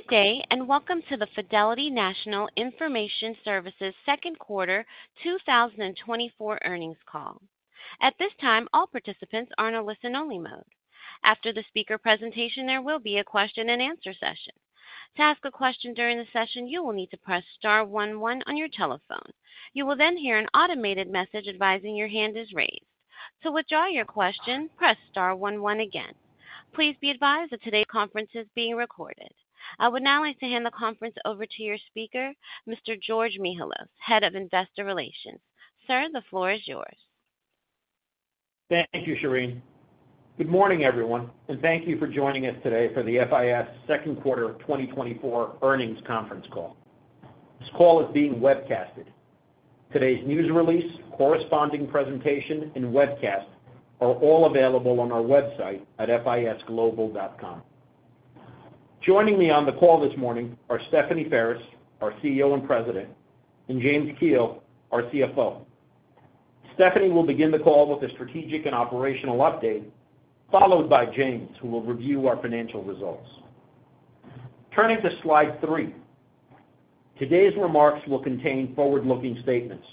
Good day, and welcome to the Fidelity National Information Services Second Quarter 2024 Earnings Call. At this time, all participants are in a listen-only mode. After the speaker presentation, there will be a question-and-answer session. To ask a question during the session, you will need to press star one one on your telephone. You will then hear an automated message advising your hand is raised. To withdraw your question, press star one one again. Please be advised that today's conference is being recorded. I would now like to hand the conference over to your speaker, Mr. George Mihalos, Head of Investor Relations. Sir, the floor is yours. Thank you, Shereen. Good morning, everyone, and thank you for joining us today for the FIS Second Quarter of 2024 Earnings Conference Call. This call is being webcasted. Today's news release, corresponding presentation, and webcast are all available on our website at fisglobal.com. Joining me on the call this morning are Stephanie Ferris, our CEO and President, and James Kehoe, our CFO. Stephanie will begin the call with a strategic and operational update, followed by James, who will review our financial results. Turning to slide 3. Today's remarks will contain forward-looking statements.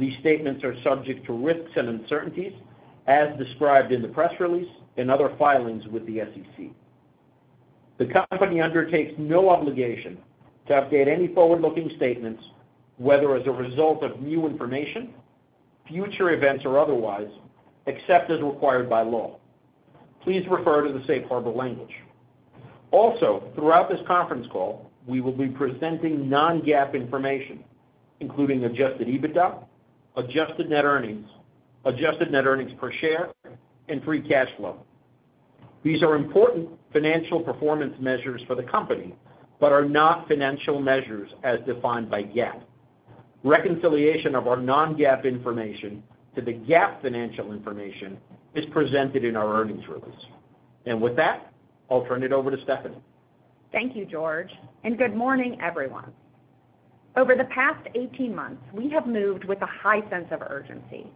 These statements are subject to risks and uncertainties as described in the press release and other filings with the SEC. The company undertakes no obligation to update any forward-looking statements, whether as a result of new information, future events, or otherwise, except as required by law. Please refer to the safe harbor language. Also, throughout this conference call, we will be presenting non-GAAP information, including Adjusted EBITDA, Adjusted Net Earnings, Adjusted Net Earnings per Share, and Free Cash Flow. These are important financial performance measures for the company, but are not financial measures as defined by GAAP. Reconciliation of our non-GAAP information to the GAAP financial information is presented in our earnings release. With that, I'll turn it over to Stephanie. Thank you, George, and good morning, everyone. Over the past 18 months, we have moved with a high sense of urgency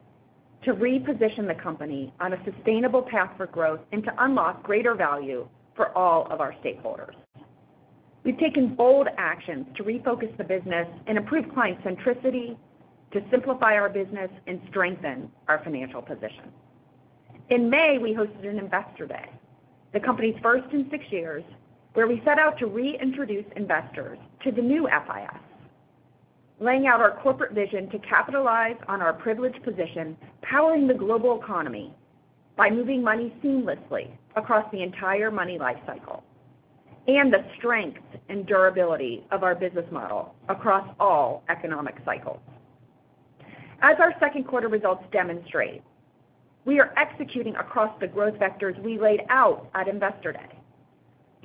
to reposition the company on a sustainable path for growth and to unlock greater value for all of our stakeholders. We've taken bold actions to refocus the business and improve client centricity, to simplify our business and strengthen our financial position. In May, we hosted an Investor Day, the company's first in 6 years, where we set out to reintroduce investors to the new FIS, laying out our corporate vision to capitalize on our privileged position, powering the global economy by moving money seamlessly across the entire money life cycle, and the strength and durability of our business model across all economic cycles. As our second quarter results demonstrate, we are executing across the growth vectors we laid out at Investor Day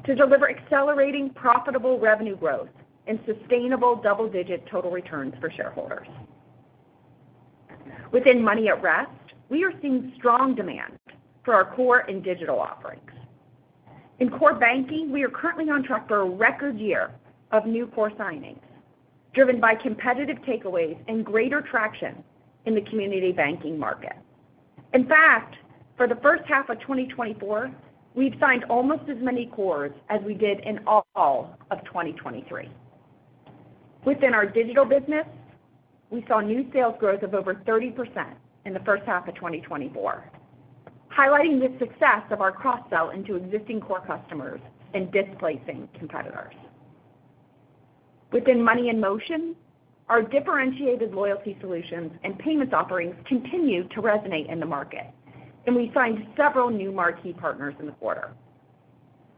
to deliver accelerating profitable revenue growth and sustainable double-digit total returns for shareholders. Within Money at Rest, we are seeing strong demand for our core and digital offerings. In core banking, we are currently on track for a record year of new core signings, driven by competitive takeaways and greater traction in the community banking market. In fact, for the first half of 2024, we've signed almost as many cores as we did in all of 2023. Within our digital business, we saw new sales growth of over 30% in the first half of 2024, highlighting the success of our cross-sell into existing core customers and displacing competitors. Within Money in Motion, our differentiated loyalty solutions and payments offerings continue to resonate in the market, and we signed several new marquee partners in the quarter.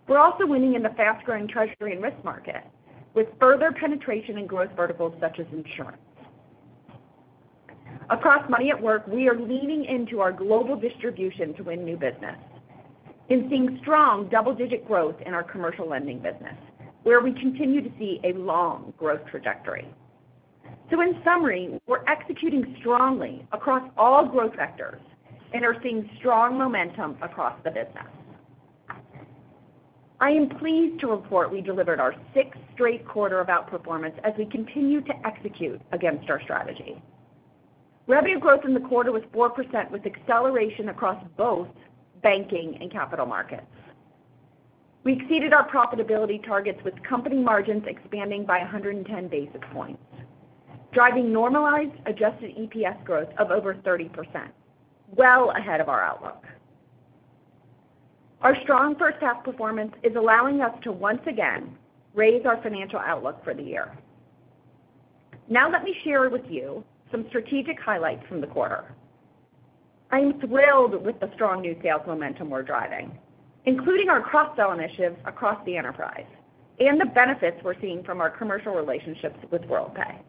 We're also winning in the fast-growing treasury and risk market, with further penetration and growth verticals such as insurance. Across Money at Work, we are leaning into our global distribution to win new business and seeing strong double-digit growth in our commercial lending business, where we continue to see a long growth trajectory. So in summary, we're executing strongly across all growth vectors and are seeing strong momentum across the business. I am pleased to report we delivered our sixth straight quarter of outperformance as we continue to execute against our strategy. Revenue growth in the quarter was 4%, with acceleration across both banking and capital markets. We exceeded our profitability targets with company margins expanding by 110 basis points, driving normalized adjusted EPS growth of over 30%, well ahead of our outlook. Our strong first half performance is allowing us to once again raise our financial outlook for the year. Now let me share with you some strategic highlights from the quarter. I am thrilled with the strong new sales momentum we're driving, including our cross-sell initiatives across the enterprise and the benefits we're seeing from our commercial relationships with Worldpay.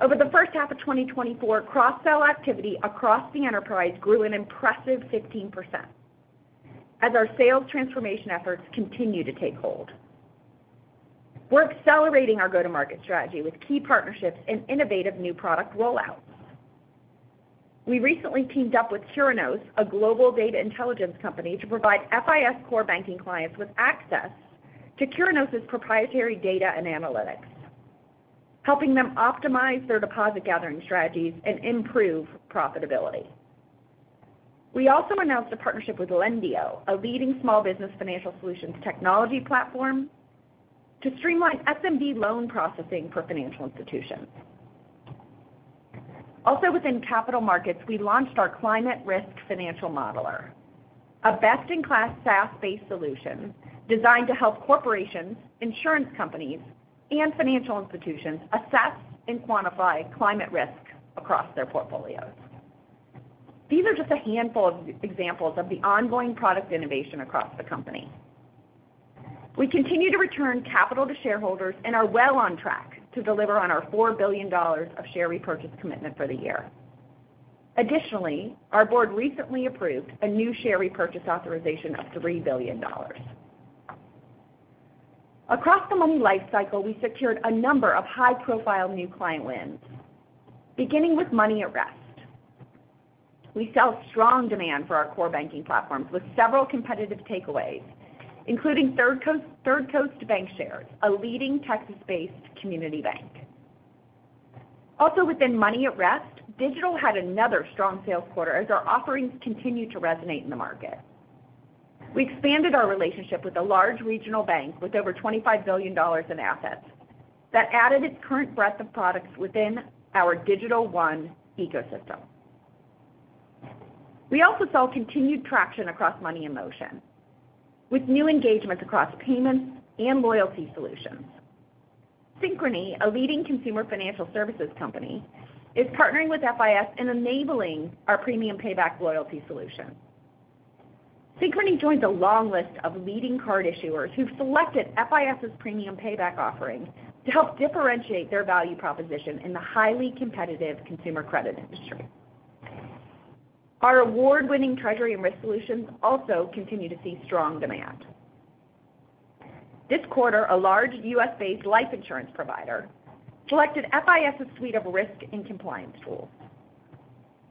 Over the first half of 2024, cross-sell activity across the enterprise grew an impressive 15% as our sales transformation efforts continue to take hold. We're accelerating our go-to-market strategy with key partnerships and innovative new product rollouts. We recently teamed up with Curinos, a global data intelligence company, to provide FIS core banking clients with access to Curinos' proprietary data and analytics, helping them optimize their deposit gathering strategies and improve profitability. We also announced a partnership with Lendio, a leading small business financial solutions technology platform, to streamline SMB loan processing for financial institutions. Also within capital markets, we launched our Climate Risk Financial Modeler, a best-in-class SaaS-based solution designed to help corporations, insurance companies, and financial institutions assess and quantify climate risk across their portfolios. These are just a handful of examples of the ongoing product innovation across the company. We continue to return capital to shareholders and are well on track to deliver on our $4 billion of share repurchase commitment for the year. Additionally, our board recently approved a new share repurchase authorization of $3 billion. Across the money lifecycle, we secured a number of high-profile new client wins, beginning with Money at Rest. We saw strong demand for our core banking platforms, with several competitive takeaways, including Third Coast, Third Coast Bancshares, a leading Texas-based community bank. Also within Money at Rest, digital had another strong sales quarter as our offerings continue to resonate in the market. We expanded our relationship with a large regional bank with over $25 billion in assets that added its current breadth of products within our Digital One ecosystem. We also saw continued traction across money in motion, with new engagements across payments and loyalty solutions. Synchrony, a leading consumer financial services company, is partnering with FIS and enabling our Premium Payback loyalty solution. Synchrony joins a long list of leading card issuers who've selected FIS's Premium Payback offering to help differentiate their value proposition in the highly competitive consumer credit industry. Our award-winning treasury and risk solutions also continue to see strong demand. This quarter, a large U.S.-based life insurance provider selected FIS's suite of risk and compliance tools.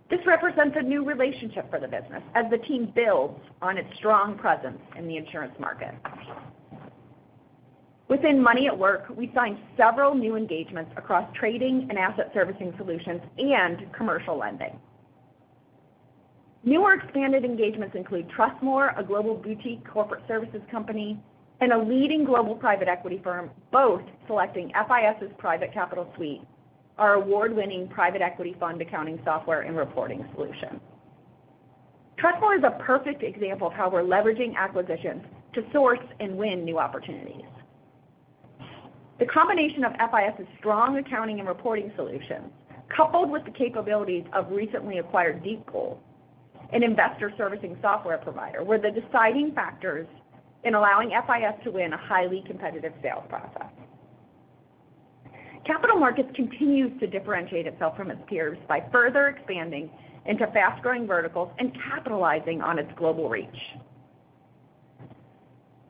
This represents a new relationship for the business as the team builds on its strong presence in the insurance market. Within money at work, we signed several new engagements across trading and asset servicing solutions and commercial lending. New or expanded engagements include Trustmoore, a global boutique corporate services company, and a leading global private equity firm, both selecting FIS's Private Capital Suite, our award-winning private equity fund accounting software and reporting solution. Trustmoore is a perfect example of how we're leveraging acquisitions to source and win new opportunities. The combination of FIS's strong accounting and reporting solution, coupled with the capabilities of recently acquired Deep Pool, an investor servicing software provider, were the deciding factors in allowing FIS to win a highly competitive sales process. Capital Markets continues to differentiate itself from its peers by further expanding into fast-growing verticals and capitalizing on its global reach.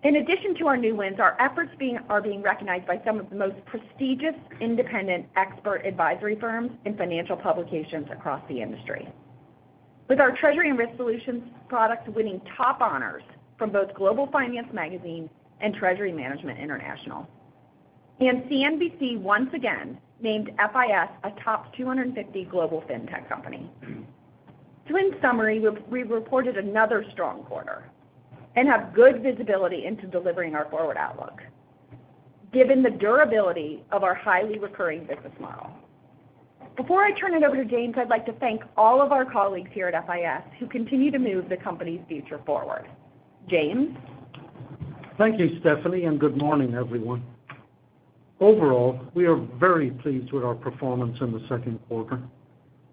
In addition to our new wins, our efforts are being recognized by some of the most prestigious independent expert advisory firms and financial publications across the industry. With our treasury and risk solutions products winning top honors from both Global Finance Magazine and Treasury Management International, and CNBC once again named FIS a top 250 global fintech company. So in summary, we reported another strong quarter and have good visibility into delivering our forward outlook, given the durability of our highly recurring business model. Before I turn it over to James, I'd like to thank all of our colleagues here at FIS who continue to move the company's future forward. James? Thank you, Stephanie, and good morning, everyone. Overall, we are very pleased with our performance in the second quarter,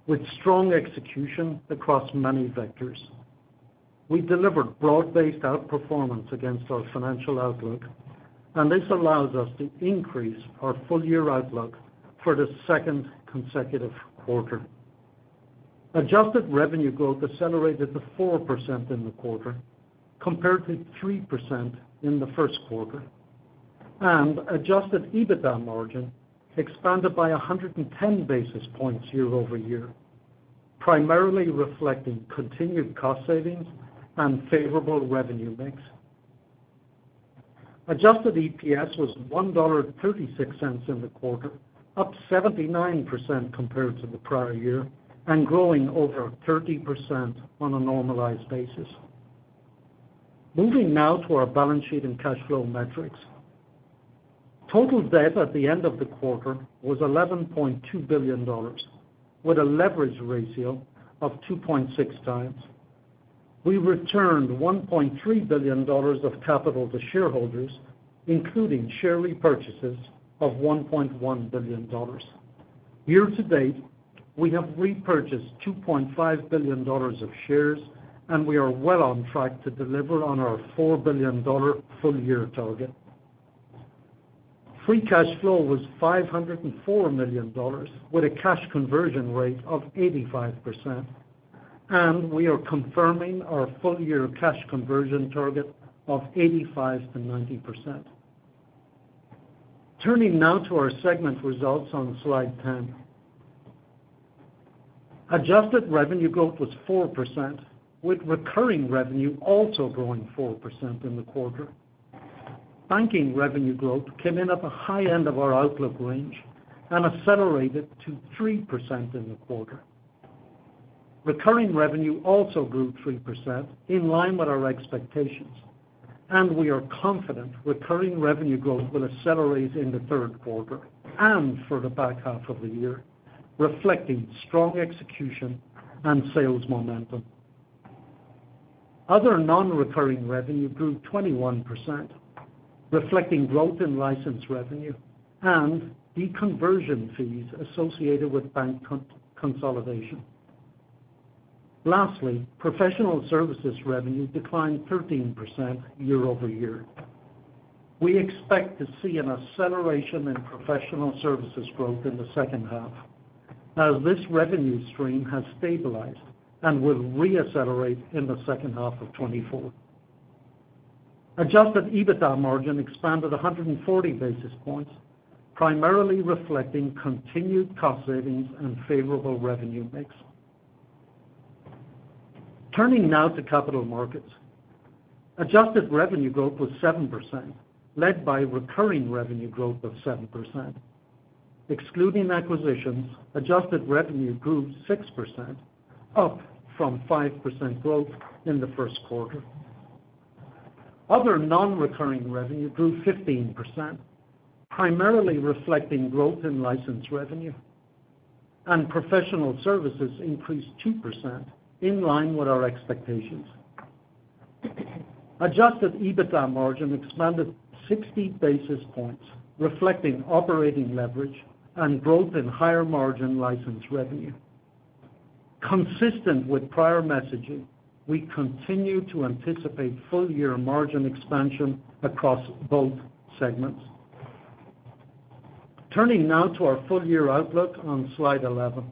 with strong execution across many vectors. We delivered broad-based outperformance against our financial outlook, and this allows us to increase our full-year outlook for the second consecutive quarter. Adjusted revenue growth accelerated to 4% in the quarter, compared to 3% in the first quarter, and adjusted EBITDA margin expanded by 100 basis points year over year, primarily reflecting continued cost savings and favorable revenue mix. Adjusted EPS was $1.36 in the quarter, up 79% compared to the prior year and growing over 30% on a normalized basis. Moving now to our balance sheet and cash flow metrics. Total debt at the end of the quarter was $11.2 billion, with a leverage ratio of 2.6 times. We returned $1.3 billion of capital to shareholders, including share repurchases of $1.1 billion. year-to-date, we have repurchased $2.5 billion of shares, and we are well on track to deliver on our $4 billion full-year target. Free cash flow was $504 million, with a cash conversion rate of 85%, and we are confirming our full-year cash conversion target of 85%-90%. Turning now to our segment results on slide 10. Adjusted revenue growth was 4%, with recurring revenue also growing 4% in the quarter. Banking revenue growth came in at the high end of our outlook range and accelerated to 3% in the quarter. Recurring revenue also grew 3%, in line with our expectations, and we are confident recurring revenue growth will accelerate in the third quarter and for the back half of the year, reflecting strong execution and sales momentum. Other nonrecurring revenue grew 21%, reflecting growth in license revenue and the conversion fees associated with bank consolidation. Lastly, professional services revenue declined 13% year-over-year. We expect to see an acceleration in professional services growth in the second half, as this revenue stream has stabilized and will reaccelerate in the second half of 2024. Adjusted EBITDA margin expanded 140 basis points, primarily reflecting continued cost savings and favorable revenue mix. Turning now to capital markets. Adjusted revenue growth was 7%, led by recurring revenue growth of 7%. Excluding acquisitions, adjusted revenue grew 6%, up from 5% growth in the first quarter. Other nonrecurring revenue grew 15%, primarily reflecting growth in license revenue, and professional services increased 2%, in line with our expectations. Adjusted EBITDA margin expanded 60 basis points, reflecting operating leverage and growth in higher-margin license revenue. Consistent with prior messaging, we continue to anticipate full-year margin expansion across both segments. Turning now to our full-year outlook on slide 11.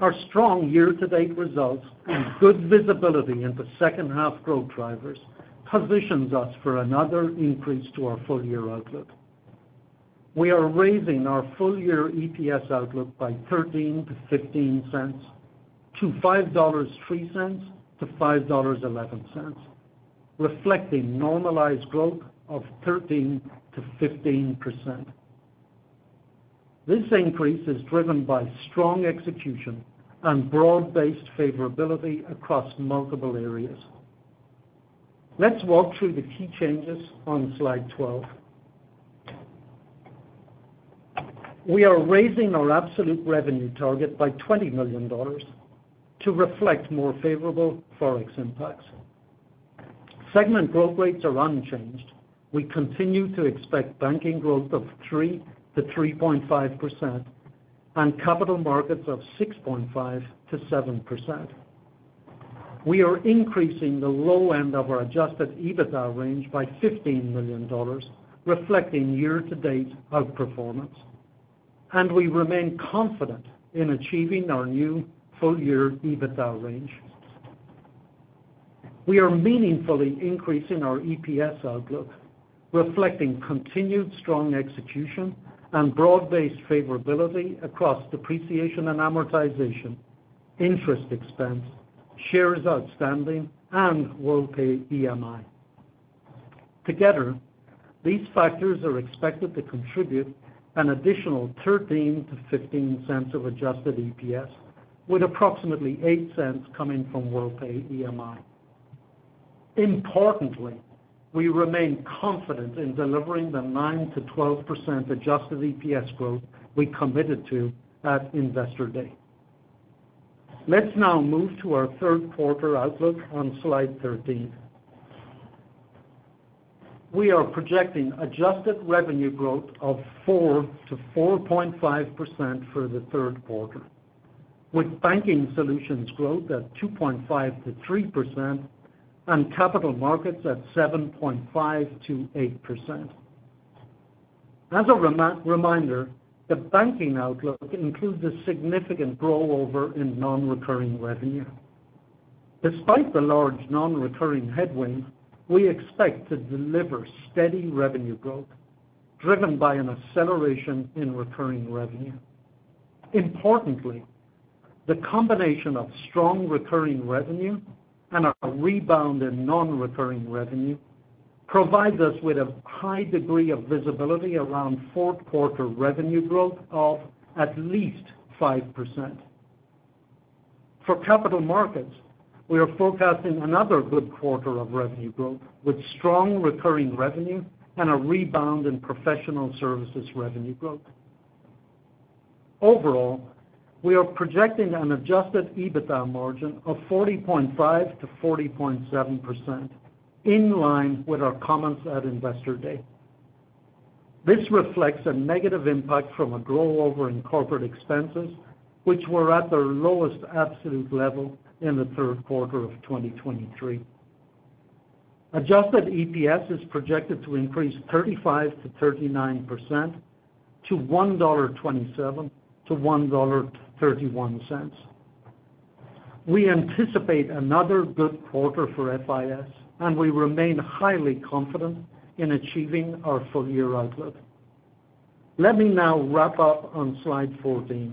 Our strong year-to-date results and good visibility into second-half growth drivers positions us for another increase to our full-year outlook. We are raising our full-year EPS outlook by $0.13-$0.15, to $5.03-$5.11, reflecting normalized growth of 13%-15%. This increase is driven by strong execution and broad-based favorability across multiple areas. Let's walk through the key changes on slide 12. We are raising our absolute revenue target by $20 million to reflect more favorable Forex impacts. Segment growth rates are unchanged. We continue to expect banking growth of 3%-3.5% and capital markets of 6.5%-7%. We are increasing the low end of our adjusted EBITDA range by $15 million, reflecting year-to-date outperformance, and we remain confident in achieving our new full-year EBITDA range. We are meaningfully increasing our EPS outlook, reflecting continued strong execution and broad-based favorability across depreciation and amortization, interest expense, shares outstanding, and Worldpay EMI. Together, these factors are expected to contribute an additional $0.13-$0.15 of adjusted EPS, with approximately $0.08 coming from Worldpay EMI. Importantly, we remain confident in delivering the 9%-12% adjusted EPS growth we committed to at Investor Day. Let's now move to our third quarter outlook on slide 13. We are projecting adjusted revenue growth of 4%-4.5% for the third quarter, with banking solutions growth at 2.5%-3% and capital markets at 7.5%-8%. As a reminder, the banking outlook includes a significant rollover in nonrecurring revenue. Despite the large nonrecurring headwind, we expect to deliver steady revenue growth driven by an acceleration in recurring revenue. Importantly, the combination of strong recurring revenue and a rebound in nonrecurring revenue provides us with a high degree of visibility around fourth quarter revenue growth of at least 5%. For capital markets, we are forecasting another good quarter of revenue growth, with strong recurring revenue and a rebound in professional services revenue growth. Overall, we are projecting an Adjusted EBITDA margin of 40.5%-40.7%, in line with our comments at Investor Day. This reflects a negative impact from a rollover in corporate expenses, which were at their lowest absolute level in the third quarter of 2023. Adjusted EPS is projected to increase 35%-39%, to $1.27-$1.31. We anticipate another good quarter for FIS, and we remain highly confident in achieving our full-year outlook. Let me now wrap up on slide 14.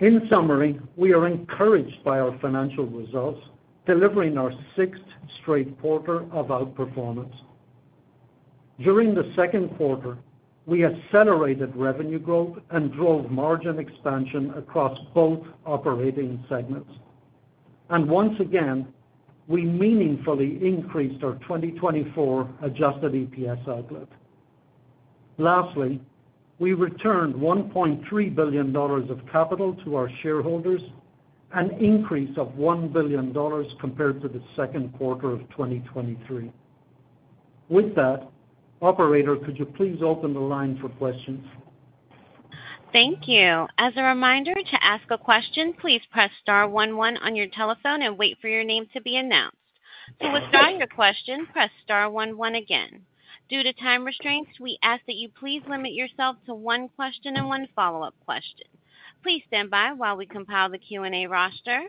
In summary, we are encouraged by our financial results, delivering our sixth straight quarter of outperformance. During the second quarter, we accelerated revenue growth and drove margin expansion across both operating segments. Once again, we meaningfully increased our 2024 Adjusted EPS outlook. Lastly, we returned $1.3 billion of capital to our shareholders, an increase of $1 billion compared to the second quarter of 2023. With that, operator, could you please open the line for questions? Thank you. As a reminder, to ask a question, please press star one one on your telephone and wait for your name to be announced. To withdraw your question, press star one one again. Due to time restraints, we ask that you please limit yourself to one question and one follow-up question. Please stand by while we compile the Q&A roster.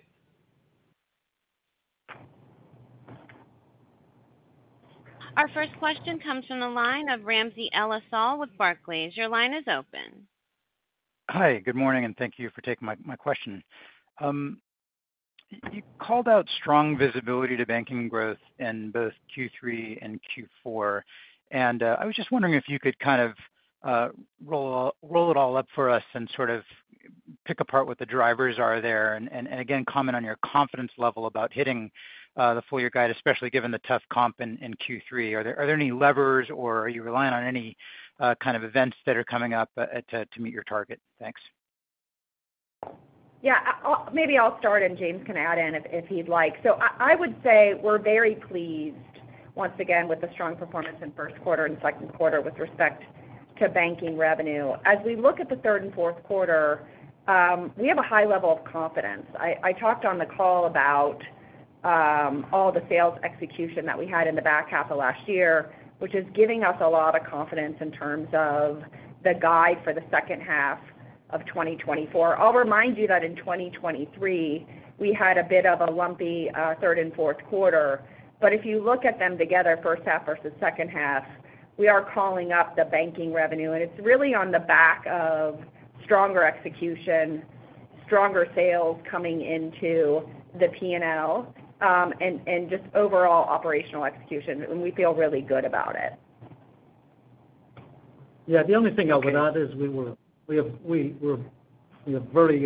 Our first question comes from the line of Ramsey El-Assal with Barclays. Your line is open. Hi, good morning, and thank you for taking my question. You called out strong visibility to banking growth in both Q3 and Q4, and I was just wondering if you could kind of roll it all up for us and sort of pick apart what the drivers are there, and again, comment on your confidence level about hitting the full-year guide, especially given the tough comp in Q3. Are there any levers or are you relying on any kind of events that are coming up to meet your target? Thanks. Yeah, maybe I'll start and James can add in if he'd like. So I would say we're very pleased once again with the strong performance in first quarter and second quarter with respect to banking revenue. As we look at the third and fourth quarter, we have a high level of confidence. I talked on the call about all the sales execution that we had in the back half of last year, which is giving us a lot of confidence in terms of the guide for the second half of 2024. I'll remind you that in 2023, we had a bit of a lumpy third and fourth quarter. But if you look at them together, first half versus second half, we are calling up the banking revenue, and it's really on the back of stronger execution, stronger sales coming into the P&L, just overall operational execution, and we feel really good about it. Yeah, the only thing I would add is we have very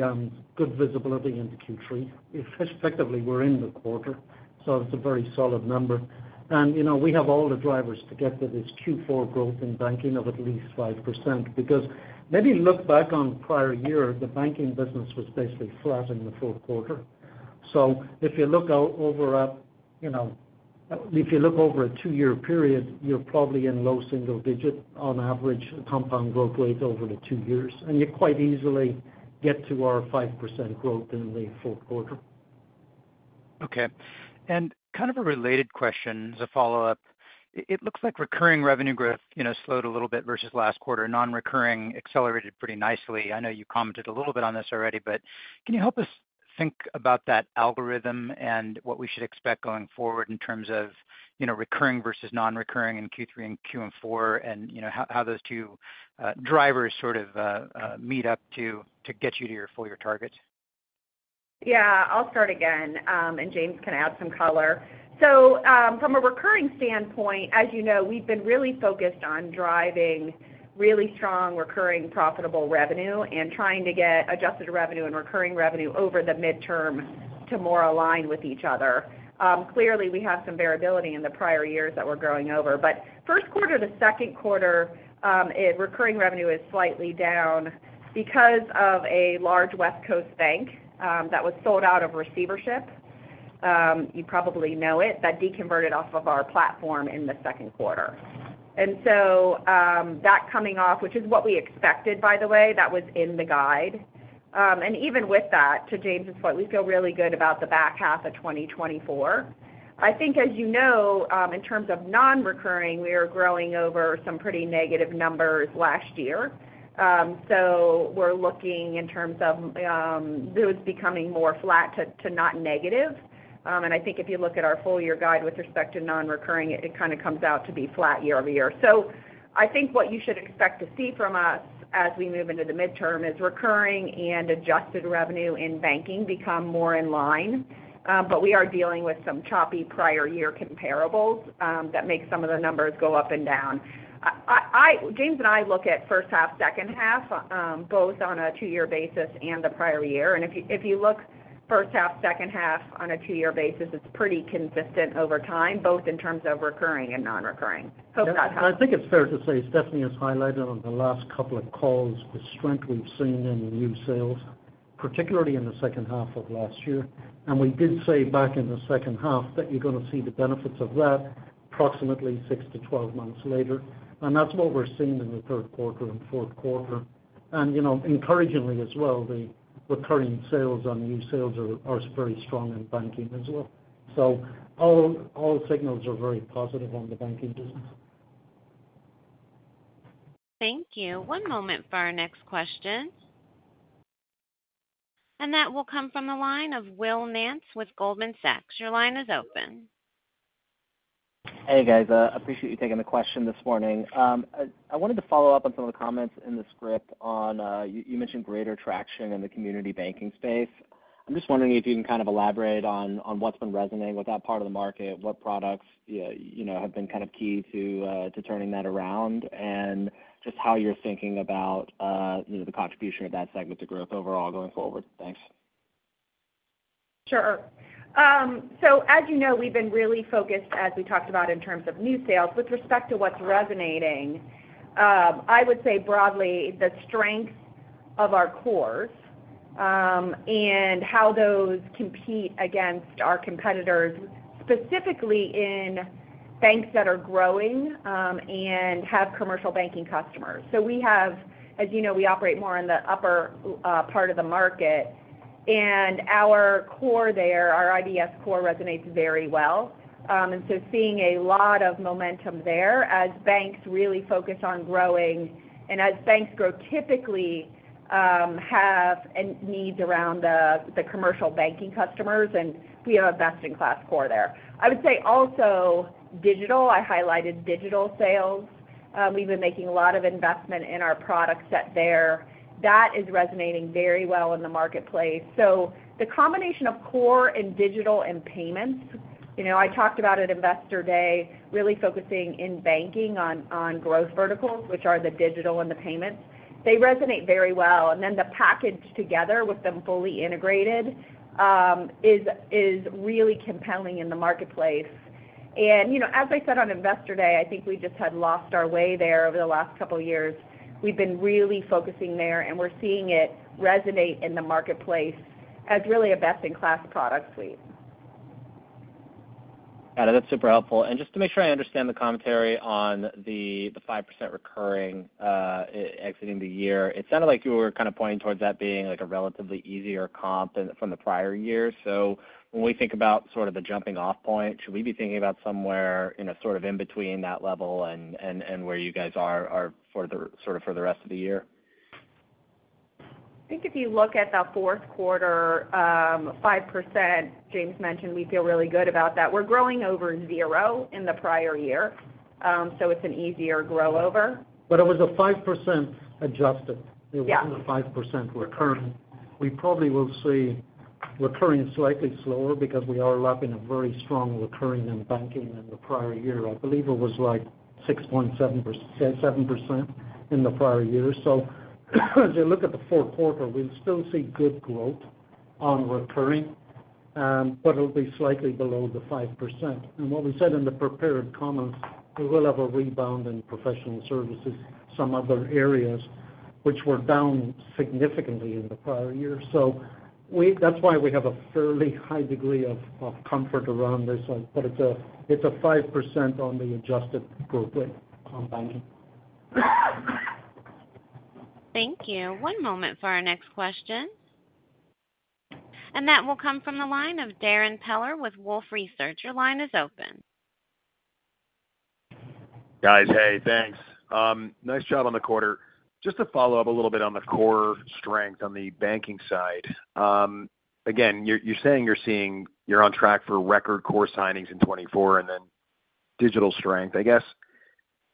good visibility into Q3. Effectively, we're in the quarter, so it's a very solid number. And, you know, we have all the drivers to get to this Q4 growth in banking of at least 5%, because when you look back on prior year, the banking business was basically flat in the fourth quarter. So if you look over a two-year period, you know, you're probably in low single-digit average compound growth rates over the two years, and you quite easily get to our 5% growth in the fourth quarter. Okay. And kind of a related question as a follow-up. It looks like recurring revenue growth, you know, slowed a little bit versus last quarter. Non-recurring accelerated pretty nicely. I know you commented a little bit on this already, but can you help us think about that algorithm and what we should expect going forward in terms of, you know, recurring versus non-recurring in Q3 and Q4, and, you know, how those two drivers sort of meet up to get you to your full-year targets? Yeah, I'll start again, and James can add some color. So, from a recurring standpoint, as you know, we've been really focused on driving really strong, recurring, profitable revenue and trying to get adjusted revenue and recurring revenue over the midterm to more align with each other. Clearly, we have some variability in the prior years that we're growing over. But first quarter to second quarter, recurring revenue is slightly down because of a large West Coast bank that was sold out of receivership, you probably know it, that deconverted off of our platform in the second quarter. And so, that coming off, which is what we expected, by the way, that was in the guide. And even with that, to James's point, we feel really good about the back half of 2024. I think, as you know, in terms of non-recurring, we are growing over some pretty negative numbers last year. So we're looking in terms of those becoming more flat to not negative. And I think if you look at our full-year guide with respect to non-recurring, it kind of comes out to be flat year-over-year. So I think what you should expect to see from us as we move into the midterm is recurring and adjusted revenue in banking become more in line. But we are dealing with some choppy prior-year comparables that make some of the numbers go up and down. James and I look at first half, second half, both on a two-year basis and the prior year. If you, if you look first half, second half on a two-year basis, it's pretty consistent over time, both in terms of recurring and non-recurring. Hope that helps. I think it's fair to say, Stephanie has highlighted on the last couple of calls, the strength we've seen in the new sales, particularly in the second half of last year. And we did say back in the second half that you're going to see the benefits of that approximately 6-12 months later, and that's what we're seeing in the third quarter and fourth quarter. And, you know, encouragingly as well, the recurring sales and new sales are very strong in banking as well. So all signals are very positive on the banking business. Thank you. One moment for our next question. That will come from the line of Will Nance with Goldman Sachs. Your line is open. Hey, guys, appreciate you taking the question this morning. I wanted to follow up on some of the comments in the script on you mentioned greater traction in the community banking space. I'm just wondering if you can kind of elaborate on what's been resonating with that part of the market, what products, you know, have been kind of key to turning that around, and just how you're thinking about, you know, the contribution of that segment to growth overall going forward? Thanks. Sure. So as you know, we've been really focused, as we talked about in terms of new sales. With respect to what's resonating, I would say broadly, the strengths of our cores, and how those compete against our competitors, specifically in banks that are growing, and have commercial banking customers. So we have- as you know, we operate more in the upper part of the market, and our core there, our IBS core resonates very well. And so seeing a lot of momentum there as banks really focus on growing, and as banks grow, typically, have and needs around the commercial banking customers, and we have a best-in-class core there. I would say also digital. I highlighted digital sales. We've been making a lot of investment in our product set there. That is resonating very well in the marketplace. So the combination of core and digital and payments, you know, I talked about at Investor Day, really focusing in banking on, on growth verticals, which are the digital and the payments. They resonate very well, and then the package together with them fully integrated is really compelling in the marketplace. You know, as I said on Investor Day, I think we just had lost our way there over the last couple of years. We've been really focusing there, and we're seeing it resonate in the marketplace as really a best-in-class product suite. Got it. That's super helpful. Just to make sure I understand the commentary on the 5% recurring exiting the year, it sounded like you were kind of pointing towards that being, like, a relatively easier comp than from the prior year. So when we think about sort of the jumping off point, should we be thinking about somewhere in a sort of in between that level and where you guys are for the sort of for the rest of the year? I think if you look at the fourth quarter, 5%, James mentioned, we feel really good about that. We're growing over zero in the prior year, so it's an easier grow over. But it was a 5% adjusted. Yeah. It wasn't a 5% recurring. We probably will see recurring slightly slower because we are lapping a very strong recurring in banking in the prior year. I believe it was like 6.7%, 7% in the prior year. So as you look at the fourth quarter, we'll still see good growth on recurring, but it'll be slightly below the 5%. And what we said in the prepared comments, we will have a rebound in professional services, some other areas which were down significantly in the prior year. So that's why we have a fairly high degree of comfort around this one, but it's a 5% on the adjusted growth rate on banking. Thank you. One moment for our next question. That will come from the line of Darrin Peller with Wolfe Research. Your line is open. Guys, hey, thanks. Nice job on the quarter. Just to follow up a little bit on the core strength on the banking side. Again, you're saying you're seeing, you're on track for record core signings in 2024 and then digital strength. I guess,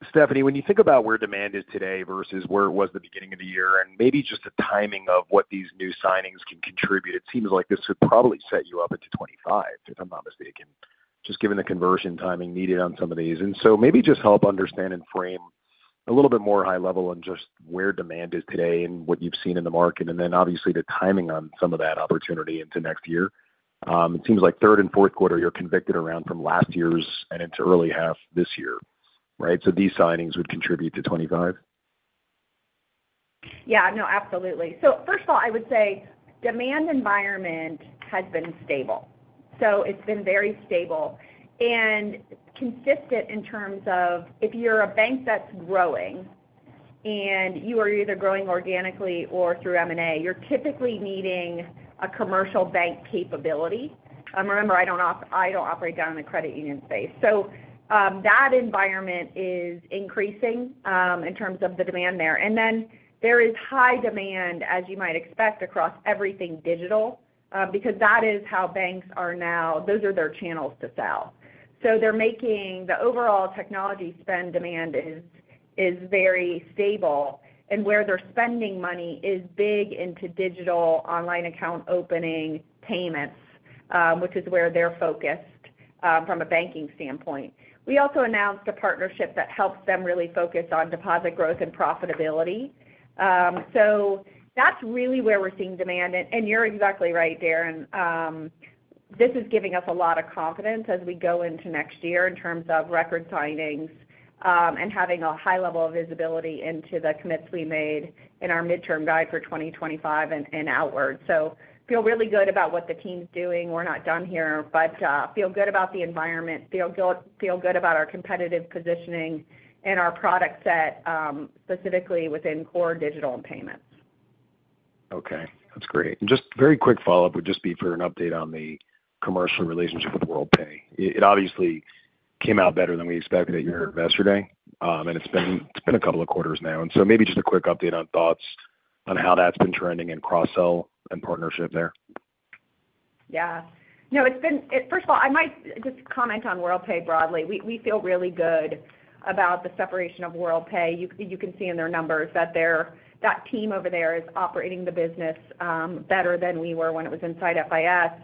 Stephanie, when you think about where demand is today versus where it was at the beginning of the year, and maybe just the timing of what these new signings can contribute, it seems like this would probably set you up into 2025, if I'm not mistaken, just given the conversion timing needed on some of these. And so maybe just help understand and frame a little bit more high level on just where demand is today and what you've seen in the market, and then obviously, the timing on some of that opportunity into next year. It seems like third and fourth quarter, you're convicted around from last year's and into early half this year, right? So these signings would contribute to 25. Yeah. No, absolutely. So first of all, I would say demand environment has been stable, so it's been very stable and consistent in terms of if you're a bank that's growing and you are either growing organically or through M&A, you're typically needing a commercial bank capability. Remember, I don't operate down in the credit union space. So, that environment is increasing in terms of the demand there. And then there is high demand, as you might expect, across everything digital, because that is how banks are now. Those are their channels to sell. So they're making the overall technology spend demand is very stable, and where they're spending money is big into digital, online account opening, payments, which is where they're focused from a banking standpoint. We also announced a partnership that helps them really focus on deposit growth and profitability. So that's really where we're seeing demand. And you're exactly right, Darrin. This is giving us a lot of confidence as we go into next year in terms of record signings, and having a high level of visibility into the commits we made in our midterm guide for 2025 and outward. So feel really good about what the team's doing. We're not done here, but feel good about the environment, feel good, feel good about our competitive positioning and our product set, specifically within core digital and payments. Okay, that's great. Just very quick follow-up would just be for an update on the commercial relationship with Worldpay. It obviously came out better than we expected at your Investor Day, and it's been a couple of quarters now. And so maybe just a quick update on thoughts on how that's been trending in cross-sell and partnership there. Yeah. No, it's been first of all, I might just comment on Worldpay broadly. We feel really good about the separation of Worldpay. You can see in their numbers that they're that team over there is operating the business better than we were when it was inside FIS.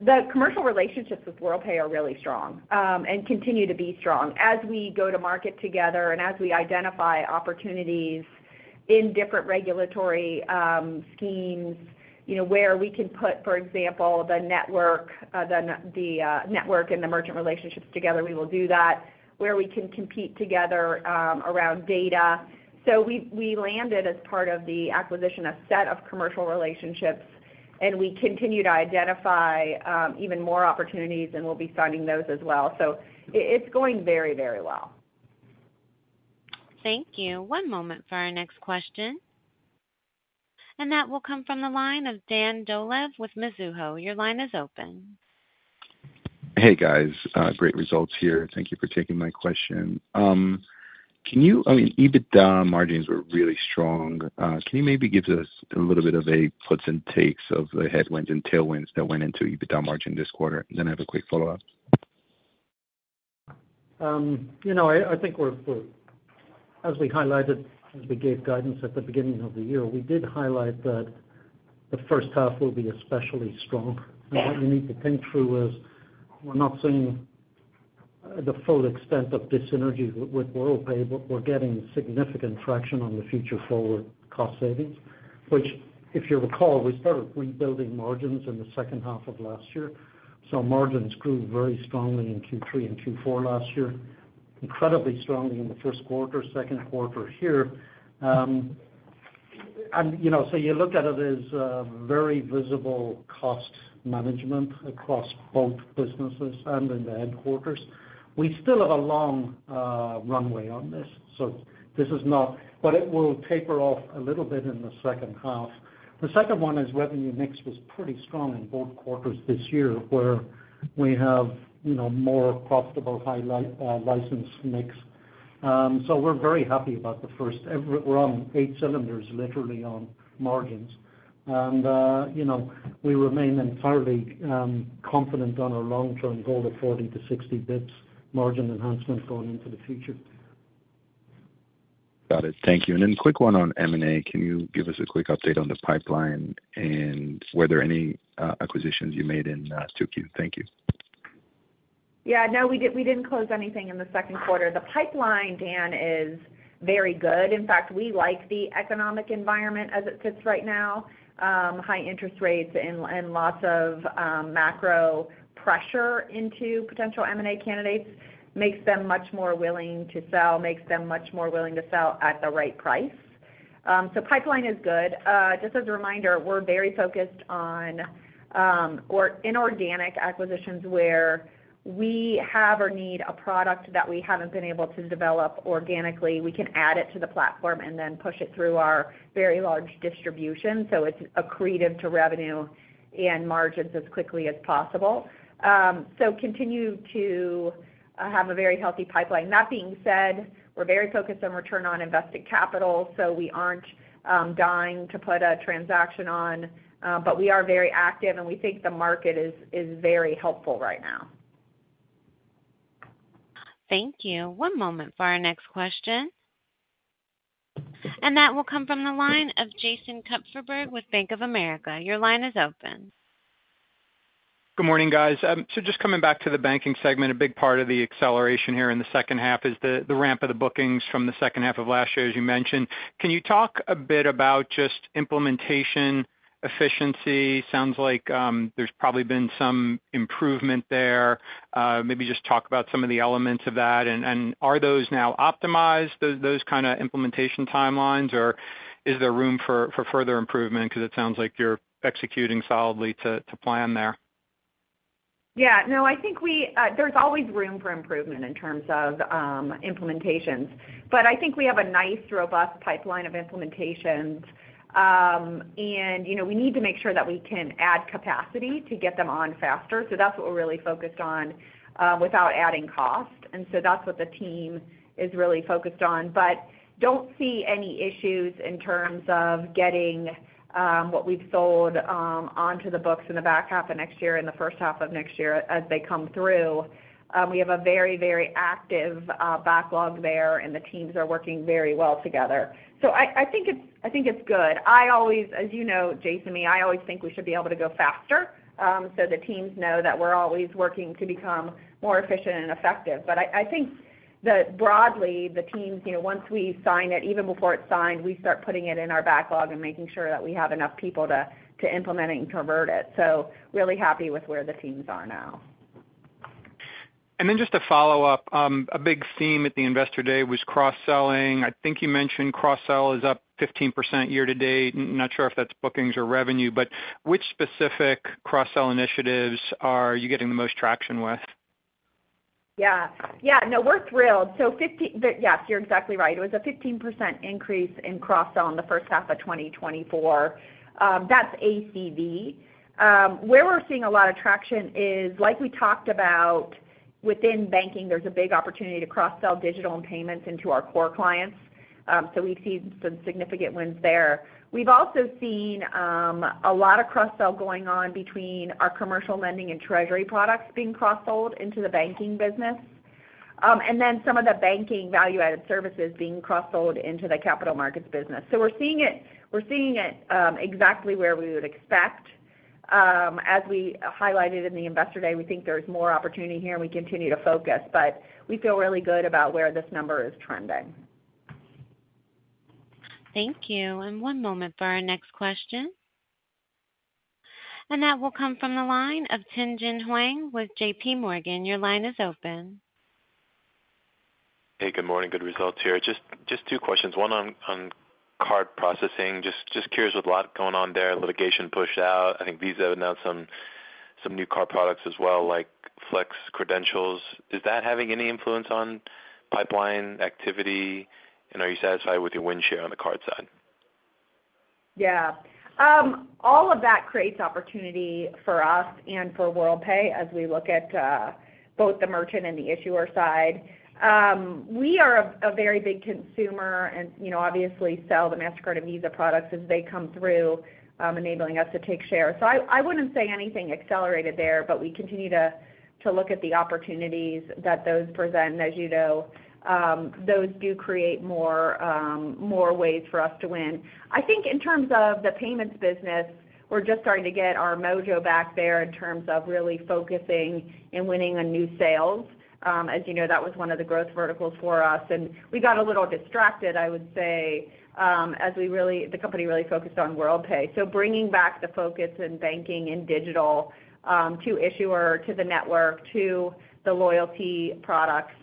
The commercial relationships with Worldpay are really strong and continue to be strong. As we go to market together and as we identify opportunities in different regulatory schemes, you know, where we can put, for example, the network, the network and the merchant relationships together, we will do that, where we can compete together around data. So we landed, as part of the acquisition, a set of commercial relationships, and we continue to identify even more opportunities, and we'll be signing those as well. So it's going very, very well. Thank you. One moment for our next question, and that will come from the line of Dan Dolev with Mizuho. Your line is open. Hey, guys, great results here. Thank you for taking my question. I mean, EBITDA margins were really strong. Can you maybe give us a little bit of a puts and takes of the headwinds and tailwinds that went into EBITDA margin this quarter? And then I have a quick follow-up. You know, I think we're. As we highlighted, as we gave guidance at the beginning of the year, we did highlight that the first half will be especially strong. And what you need to think through is, we're not seeing the full extent of this synergy with Worldpay, but we're getting significant traction on the Future Forward cost savings, which, if you recall, we started rebuilding margins in the second half of last year. So margins grew very strongly in Q3 and Q4 last year, incredibly strongly in the first quarter, second quarter here. And, you know, so you look at it as a very visible cost management across both businesses and in the headquarters. We still have a long runway on this, so this is not, but it will taper off a little bit in the second half. The second one is revenue mix was pretty strong in both quarters this year, where we have, you know, more profitable high license mix. So we're very happy about the first, we're on eight cylinders, literally, on margins. And, you know, we remain entirely confident on our long-term goal of 40-60 basis points margin enhancement going into the future. Got it. Thank you. Then quick one on M&A. Can you give us a quick update on the pipeline and were there any acquisitions you made in 2Q? Thank you. Yeah. No, we didn't close anything in the second quarter. The pipeline, Dan, is very good. In fact, we like the economic environment as it sits right now. High interest rates and, and lots of, macro pressure into potential M&A candidates makes them much more willing to sell, makes them much more willing to sell at the right price. So pipeline is good. Just as a reminder, we're very focused on, or inorganic acquisitions, where we have or need a product that we haven't been able to develop organically. We can add it to the platform and then push it through our very large distribution, so it's accretive to revenue and margins as quickly as possible. So continue to have a very healthy pipeline. That being said, we're very focused on return on invested capital, so we aren't dying to put a transaction on, but we are very active, and we think the market is very helpful right now. Thank you. One moment for our next question, and that will come from the line of Jason Kupferberg with Bank of America. Your line is open. Good morning, guys. So just coming back to the banking segment, a big part of the acceleration here in the second half is the ramp of the bookings from the second half of last year, as you mentioned. Can you talk a bit about just implementation efficiency? Sounds like there's probably been some improvement there. Maybe just talk about some of the elements of that, and are those now optimized, those kind of implementation timelines, or is there room for further improvement? Because it sounds like you're executing solidly to plan there. Yeah. No, I think there's always room for improvement in terms of implementations. But I think we have a nice, robust pipeline of implementations. And, you know, we need to make sure that we can add capacity to get them on faster, so that's what we're really focused on without adding cost. And so that's what the team is really focused on, but don't see any issues in terms of getting what we've sold onto the books in the back half of next year and the first half of next year as they come through. We have a very, very active backlog there, and the teams are working very well together. So I, I think it's, I think it's good. I always, as you know, Jason, me, I always think we should be able to go faster. So the teams know that we're always working to become more efficient and effective. But I think that broadly, the teams, you know, once we sign it, even before it's signed, we start putting it in our backlog and making sure that we have enough people to implement it and convert it. So really happy with where the teams are now. Then just to follow up, a big theme at the Investor Day was cross-selling. I think you mentioned cross-sell is up 15% year-to-date. Not sure if that's bookings or revenue, but which specific cross-sell initiatives are you getting the most traction with? Yeah. Yeah, no, we're thrilled. So 50, yes, you're exactly right. It was a 15% increase in cross-sell in the first half of 2024. That's ACV. Where we're seeing a lot of traction is, like we talked about, within banking, there's a big opportunity to cross-sell digital and payments into our core clients. So we've seen some significant wins there. We've also seen a lot of cross-sell going on between our commercial lending and treasury products being cross-sold into the banking business. And then some of the banking value-added services being cross-sold into the capital markets business. So we're seeing it, we're seeing it, exactly where we would expect. As we highlighted in the Investor Day, we think there's more opportunity here, and we continue to focus, but we feel really good about where this number is trending. Thank you. One moment for our next question. That will come from the line of Tien-Tsin Huang with JPMorgan. Your line is open. Hey, good morning. Good results here. Just two questions. One on card processing. Just curious, with a lot going on there, litigation pushed out. I think Visa had announced some new card products as well, like flex credentials. Is that having any influence on pipeline activity? And are you satisfied with your win share on the card side? Yeah. All of that creates opportunity for us and for Worldpay as we look at both the merchant and the issuer side. We are a very big consumer and, you know, obviously sell the Mastercard and Visa products as they come through, enabling us to take share. So I wouldn't say anything accelerated there, but we continue to look at the opportunities that those present. And as you know, those do create more ways for us to win. I think in terms of the payments business, we're just starting to get our mojo back there in terms of really focusing and winning on new sales. As you know, that was one of the growth verticals for us, and we got a little distracted, I would say, as we really the company really focused on Worldpay. So bringing back the focus in banking and digital, to issuer, to the network, to the loyalty products,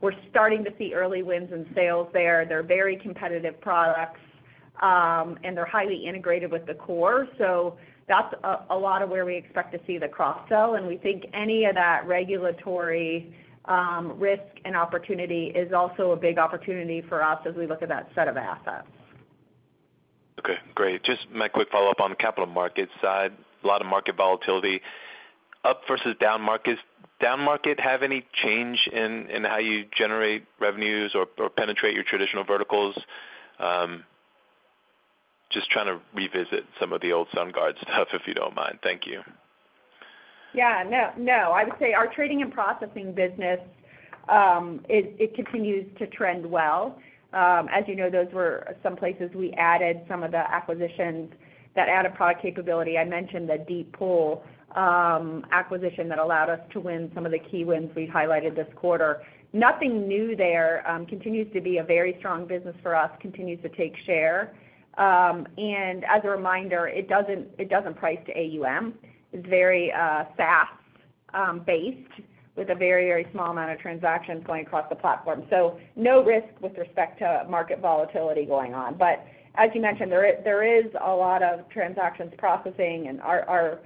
we're starting to see early wins in sales there. They're very competitive products, and they're highly integrated with the core. So that's a lot of where we expect to see the cross-sell, and we think any of that regulatory, risk and opportunity is also a big opportunity for us as we look at that set of assets. Okay, great. Just my quick follow-up on the capital markets side. A lot of market volatility, up versus down markets. Down market have any change in how you generate revenues or penetrate your traditional verticals? Just trying to revisit some of the old SunGard stuff, if you don't mind. Thank you. Yeah. No, no, I would say our trading and processing business, it continues to trend well. As you know, those were some places we added some of the acquisitions that add a product capability. I mentioned the Deep Pool acquisition that allowed us to win some of the key wins we've highlighted this quarter. Nothing new there, continues to be a very strong business for us, continues to take share. And as a reminder, it doesn't price to AUM. It's very SaaS based, with a very, very small amount of transactions going across the platform. So no risk with respect to market volatility going on. But as you mentioned, there is a lot of transactions processing, and our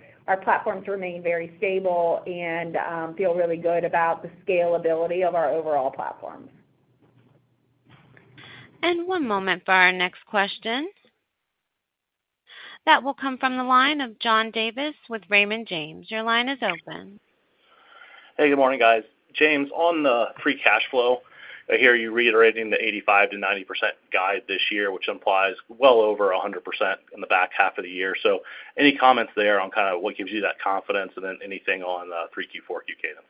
platforms remain very stable and feel really good about the scalability of our overall platforms. One moment for our next question. That will come from the line of John Davis with Raymond James. Your line is open. Hey, good morning, guys. James, on the free cash flow, I hear you reiterating the 85%-90% guide this year, which implies well over 100% in the back half of the year. So any comments there on kind of what gives you that confidence and then anything on 3Q-4Q cadence?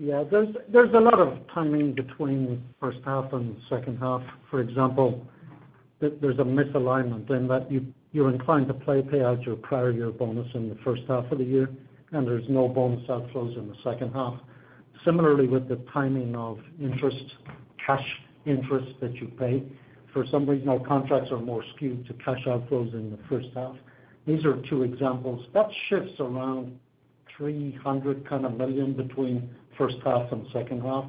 Yeah, there's a lot of timing between first half and second half. For example, there's a misalignment in that you're inclined to pay out your prior year bonus in the first half of the year, and there's no bonus outflows in the second half. Similarly, with the timing of interest, cash interest that you pay, for some reason, our contracts are more skewed to cash outflows in the first half. These are two examples. That shifts around $300 kind of million between first half and second half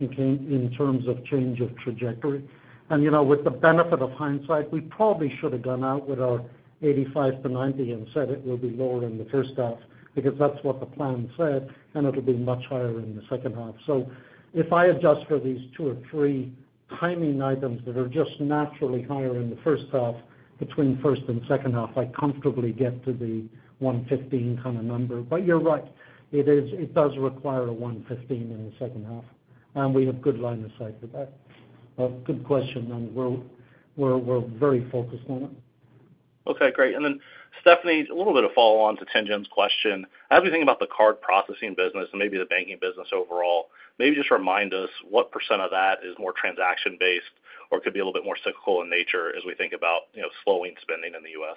in terms of change of trajectory. And you know, with the benefit of hindsight, we probably should have gone out with our $85-$90 million and said it will be lower in the first half because that's what the plan said, and it'll be much higher in the second half. So if I adjust for these two or three timing items that are just naturally higher in the first half, between first and second half, I comfortably get to the $115 kind of number. But you're right, it does require a $115 in the second half, and we have good line of sight for that. Well, good question, and we're very focused on it. Okay, great. And then, Stephanie, a little bit of follow-on to Tien-Tsin's question. As we think about the card processing business and maybe the banking business overall, maybe just remind us what percent of that is more transaction-based or could be a little bit more cyclical in nature as we think about, you know, slowing spending in the U.S.?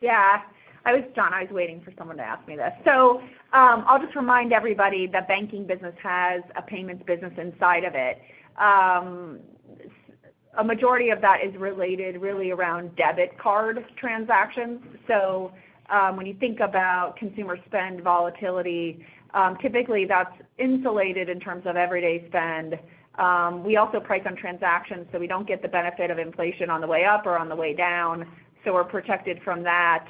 Yeah. I was, John, I was waiting for someone to ask me this. So, I'll just remind everybody, the banking business has a payments business inside of it. A majority of that is related really around debit card transactions. So, when you think about consumer spend volatility, typically, that's insulated in terms of everyday spend. We also price on transactions, so we don't get the benefit of inflation on the way up or on the way down, so we're protected from that.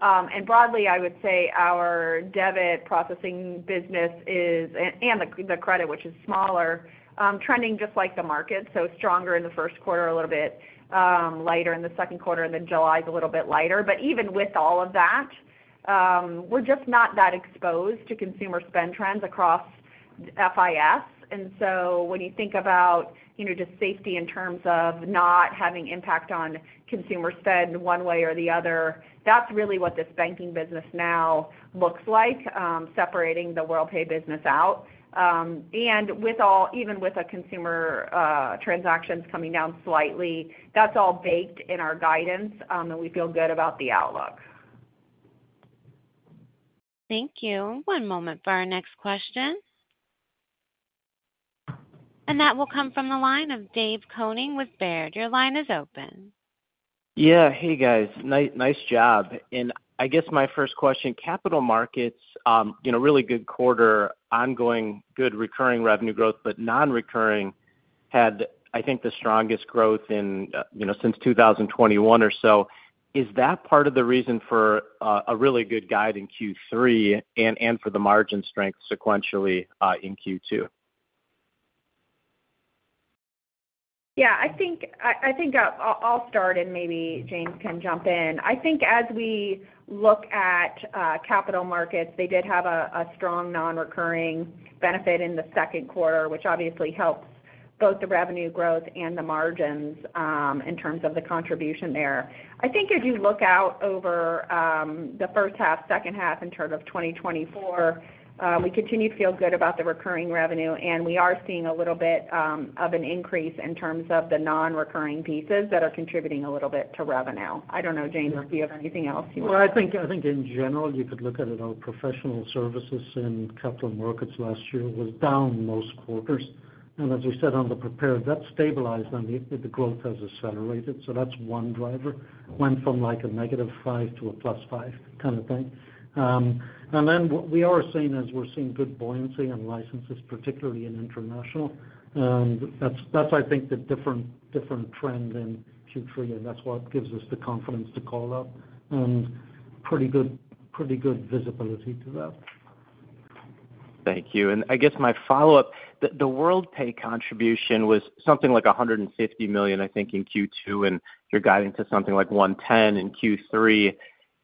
And broadly, I would say our debit processing business is, and the credit, which is smaller, trending just like the market. So stronger in the first quarter, a little bit lighter in the second quarter, and then July's a little bit lighter. But even with all of that, We're just not that exposed to consumer spend trends across FIS. And so when you think about, you know, just safety in terms of not having impact on consumer spend one way or the other, that's really what this banking business now looks like, separating the Worldpay business out. And with even our consumer transactions coming down slightly, that's all baked in our guidance, and we feel good about the outlook. Thank you. One moment for our next question. That will come from the line of David Koning with Baird. Your line is open. Yeah. Hey, guys. Nice job. I guess my first question, capital markets, you know, really good quarter, ongoing good recurring revenue growth, but nonrecurring had, I think, the strongest growth in, you know, since 2021 or so. Is that part of the reason for, a really good guide in Q3 and, and for the margin strength sequentially, in Q2? Yeah, I think I'll start and maybe James can jump in. I think as we look at capital markets, they did have a strong nonrecurring benefit in the second quarter, which obviously helped both the revenue growth and the margins in terms of the contribution there. I think as you look out over the first half, second half in terms of 2024, we continue to feel good about the recurring revenue, and we are seeing a little bit of an increase in terms of the nonrecurring pieces that are contributing a little bit to revenue. I don't know, James, do you have anything else you want to- Well, I think in general, you could look at it, our professional services in capital markets last year was down most quarters. And as we said on the prepared, that stabilized and the growth has accelerated. So that's one driver. Went from, like, a -5 to a +5 kind of thing. And then what we are seeing is we're seeing good buoyancy in licenses, particularly in international. And that's I think the different trend in Q3, and that's what gives us the confidence to call it out, and pretty good visibility to that. Thank you. And I guess my follow-up, the, the Worldpay contribution was something like $150 million, I think, in Q2, and you're guiding to something like $110 million in Q3.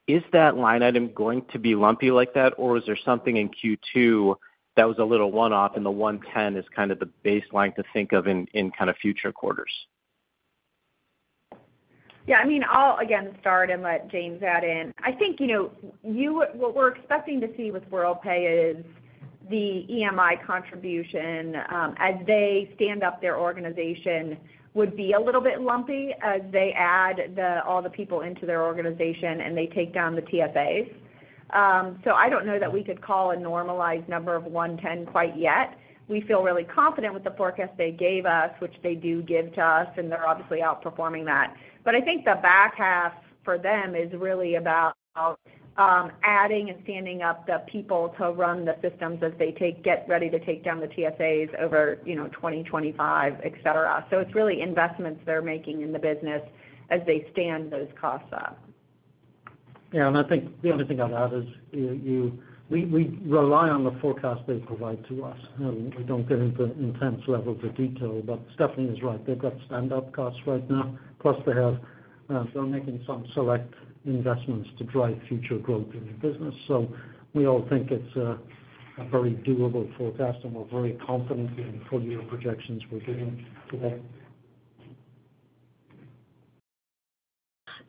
Is that line item going to be lumpy like that, or is there something in Q2 that was a little one-off, and the $110 million is kind of the baseline to think of in, in kind of future quarters? Yeah, I mean, I'll again start and let James add in. I think, you know, you what we're expecting to see with Worldpay is the EMI contribution, as they stand up their organization, would be a little bit lumpy as they add the, all the people into their organization and they take down the TSAs. So I don't know that we could call a normalized number of 110 quite yet. We feel really confident with the forecast they gave us, which they do give to us, and they're obviously outperforming that. But I think the back half for them is really about, adding and standing up the people to run the systems as they get ready to take down the TSAs over, you know, 2025, et cetera. So it's really investments they're making in the business as they stand those costs up. Yeah, and I think the only thing I'd add is we rely on the forecast they provide to us. We don't get into intense levels of detail, but Stephanie is right. They've got stand-up costs right now, plus they have, they're making some select investments to drive future growth in the business. So we all think it's a very doable forecast, and we're very confident in the full-year projections we're giving today.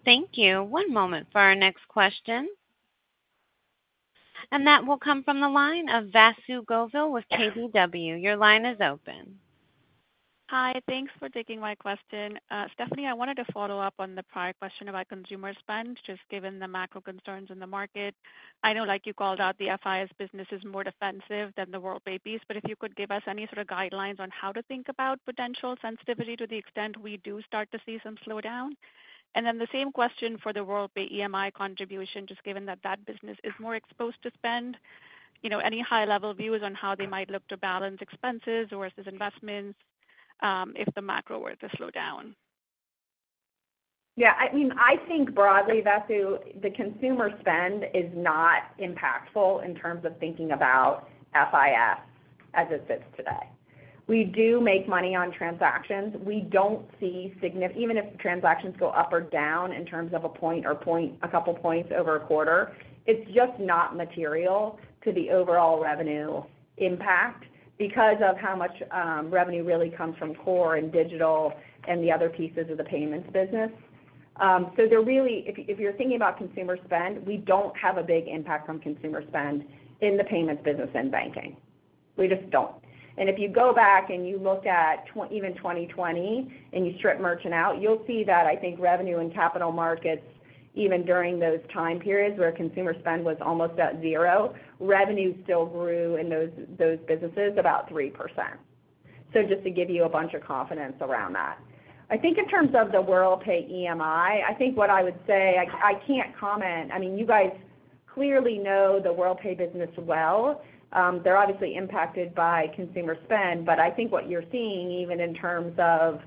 Thank you. One moment for our next question. That will come from the line of Vasu Govil with KBW. Your line is open. Hi, thanks for taking my question. Stephanie, I wanted to follow up on the prior question about consumer spend, just given the macro concerns in the market. I know, like you called out, the FIS business is more defensive than the Worldpay piece, but if you could give us any sort of guidelines on how to think about potential sensitivity to the extent we do start to see some slowdown? And then the same question for the Worldpay EMI contribution, just given that that business is more exposed to spend, you know, any high-level views on how they might look to balance expenses versus investments, if the macro were to slow down? Yeah, I mean, I think broadly, Vasu, the consumer spend is not impactful in terms of thinking about FIS as it sits today. We do make money on transactions. We don't see significant even if transactions go up or down in terms of a point or two, a couple points over a quarter, it's just not material to the overall revenue impact because of how much revenue really comes from core and digital and the other pieces of the payments business. So, if you're thinking about consumer spend, we don't have a big impact from consumer spend in the payments business and banking. We just don't. And if you go back and you look at even 2020 and you strip merchant out, you'll see that I think revenue and capital markets, even during those time periods where consumer spend was almost at zero, revenue still grew in those businesses about 3%. So just to give you a bunch of confidence around that. I think in terms of the Worldpay EMI, I think what I would say, I can't comment. I mean, you guys clearly know the Worldpay business well. They're obviously impacted by consumer spend, but I think what you're seeing, even in terms of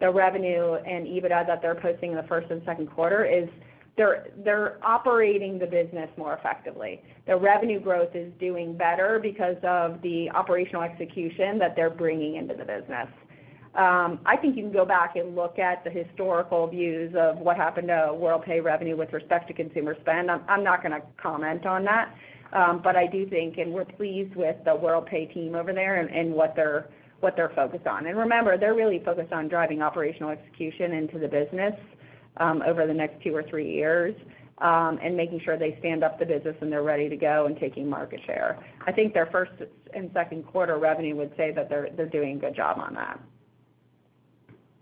the revenue and EBITDA that they're posting in the first and second quarter, is they're operating the business more effectively. Their revenue growth is doing better because of the operational execution that they're bringing into the business. I think you can go back and look at the historical views of what happened to Worldpay revenue with respect to consumer spend. I'm not gonna comment on that. But I do think, and we're pleased with the Worldpay team over there and what they're focused on. And remember, they're really focused on driving operational execution into the business, over the next two or three years, and making sure they stand up the business and they're ready to go and taking market share. I think their first and second quarter revenue would say that they're doing a good job on that.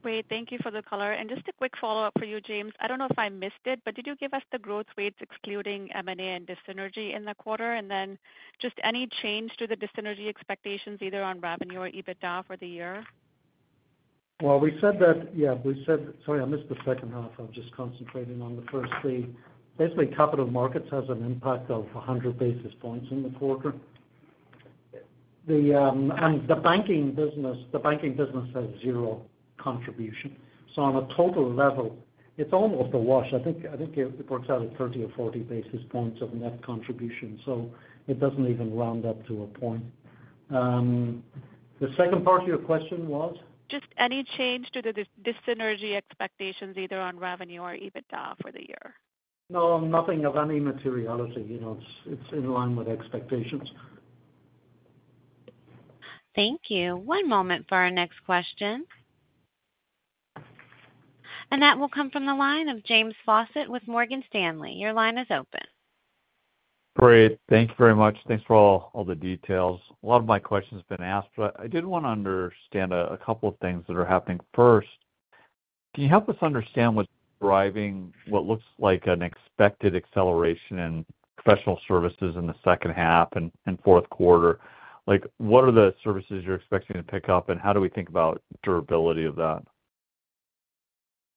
Great. Thank you for the color. And just a quick follow-up for you, James. I don't know if I missed it, but did you give us the growth rates excluding M&A and dis-synergy in the quarter? And then just any change to the dis-synergy expectations, either on revenue or EBITDA for the year? Well, we said that, yeah, we said, Sorry, I missed the second half. I was just concentrating on the first three. Basically, capital markets has an impact of 100 basis points in the quarter. The, and the banking business, the banking business has zero contribution. So on a total level, it's almost a wash. I think, I think it, it works out at 30 or 40 basis points of net contribution, so it doesn't even round up to a point. The second part of your question was? Just any change to the dis-synergy expectations, either on revenue or EBITDA for the year? No, nothing of any materiality. You know, it's, it's in line with expectations. Thank you. One moment for our next question. That will come from the line of James Faucette with Morgan Stanley. Your line is open. Great. Thank you very much. Thanks for all, all the details. A lot of my questions have been asked, but I did wanna understand a couple of things that are happening. First, can you help us understand what's driving what looks like an expected acceleration in professional services in the second half and fourth quarter? Like, what are the services you're expecting to pick up, and how do we think about durability of that?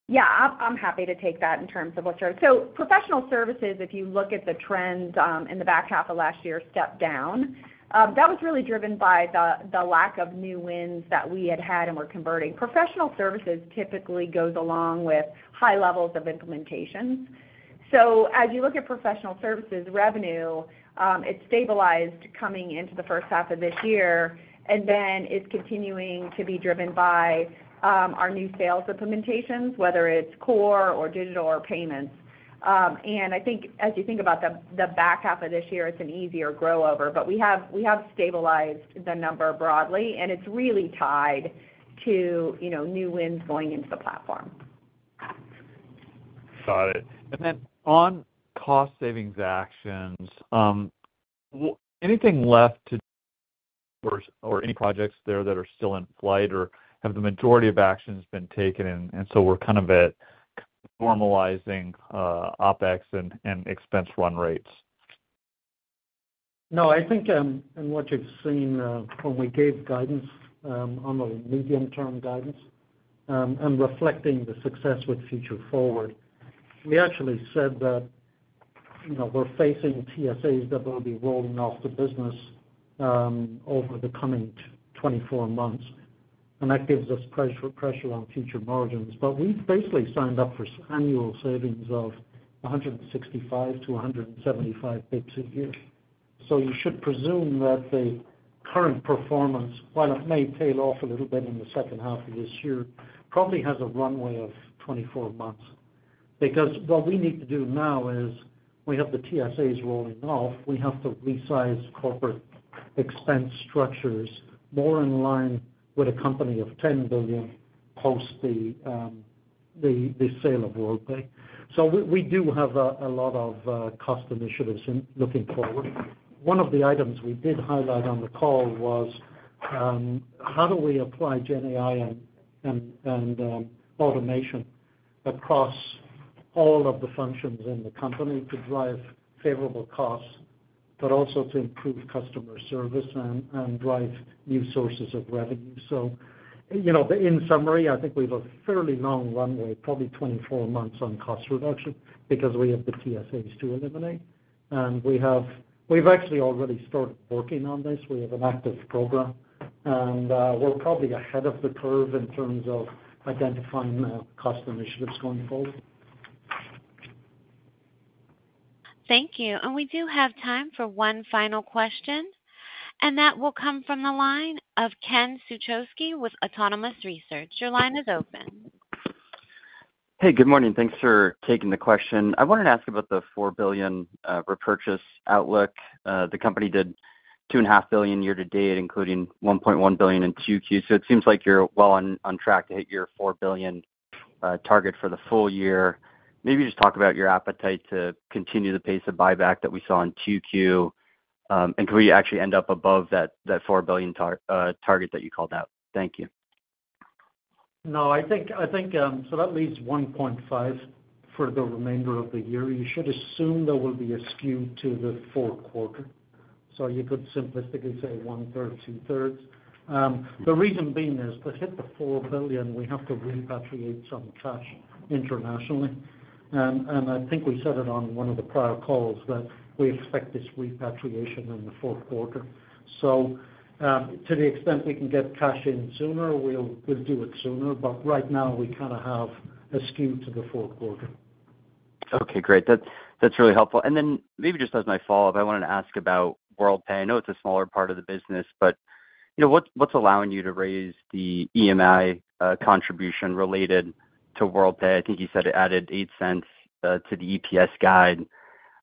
Yeah, I'm happy to take that in terms of what you. So professional services, if you look at the trends in the back half of last year, stepped down. That was really driven by the lack of new wins that we had had and were converting. Professional services typically goes along with high levels of implementations. So as you look at professional services revenue, it stabilized coming into the first half of this year, and then it's continuing to be driven by our new sales implementations, whether it's core or digital or payments. And I think as you think about the back half of this year, it's an easier grow over. But we have stabilized the number broadly, and it's really tied to, you know, new wins going into the platform. Got it. And then on cost savings actions, anything left to or, or any projects there that are still in flight, or have the majority of actions been taken, and so we're kind of at formalizing OpEx and expense run rates? No, I think, and what you've seen, when we gave guidance, on the medium-term guidance, and reflecting the success with Future Forward, we actually said that, you know, we're facing TSAs that will be rolling off the business, over the coming 24 months, and that gives us pressure, pressure on future margins. But we've basically signed up for annual savings of 165 to 175 basis points a year. So you should presume that the current performance, while it may tail off a little bit in the second half of this year, probably has a runway of 24 months. Because what we need to do now is we have the TSAs rolling off, we have to resize corporate expense structures more in line with a company of $10 billion, post the, the, the sale of Worldpay. So we do have a lot of cost initiatives looking forward. One of the items we did highlight on the call was how do we apply GenAI and automation across all of the functions in the company to drive favorable costs, but also to improve customer service and drive new sources of revenue? So, you know, in summary, I think we've a fairly long runway, probably 24 months, on cost reduction because we have the TSAs to eliminate. We've actually already started working on this. We have an active program, and we're probably ahead of the curve in terms of identifying cost initiatives going forward. Thank you. And we do have time for one final question, and that will come from the line of Ken Suchoski with Autonomous Research. Your line is open. Hey, good morning. Thanks for taking the question. I wanted to ask about the $4 billion repurchase outlook. The company did $2.5 billion year-to-date, including $1.1 billion in 2Q. So it seems like you're well on track to hit your $4 billion target for the full-year. Maybe just talk about your appetite to continue the pace of buyback that we saw in 2Q, and could we actually end up above that $4 billion target that you called out? Thank you. No, I think so that leaves 1.5 for the remainder of the year. You should assume there will be a skew to the fourth quarter. So you could simplistically say 1/3, 2/3. The reason being is, to hit the $4 billion, we have to repatriate some cash internationally. And I think we said it on one of the prior calls, that we expect this repatriation in the fourth quarter. So, to the extent we can get cash in sooner, we'll do it sooner, but right now we kind of have a skew to the fourth quarter. Okay, great. That's, that's really helpful. And then maybe just as my follow-up, I wanted to ask about Worldpay. I know it's a smaller part of the business, but, you know, what's, what's allowing you to raise the EMI contribution related to Worldpay? I think you said it added $0.08 to the EPS guide.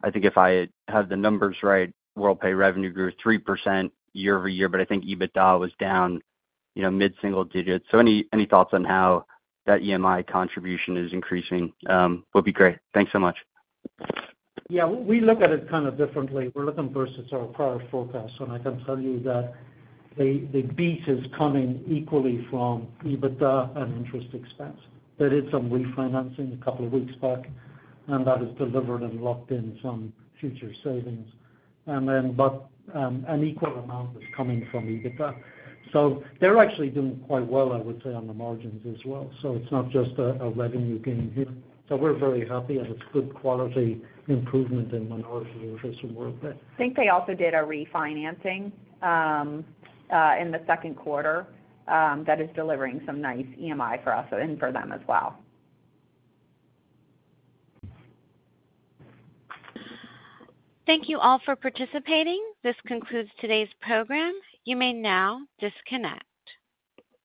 I think if I have the numbers right, Worldpay revenue grew 3% year-over-year, but I think EBITDA was down, you know, mid-single digits. So any, any thoughts on how that EMI contribution is increasing would be great. Thanks so much. Yeah, we look at it kind of differently. We're looking versus our prior forecast, and I can tell you that the beat is coming equally from EBITDA and interest expense. There is some refinancing a couple of weeks back, and that has delivered and locked in some future savings. But an equal amount is coming from EBITDA. So they're actually doing quite well, I would say, on the margins as well. So it's not just a revenue gain here. So we're very happy, and it's good quality improvement in minority interest in Worldpay. I think they also did a refinancing, in the second quarter, that is delivering some nice EMI for us and for them as well. Thank you all for participating. This concludes today's program. You may now disconnect.